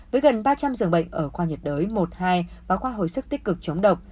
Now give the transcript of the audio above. với gần ba trăm linh dường bệnh ở khoa nhiệt đới một hai và khoa hồi sức tích cực chống độc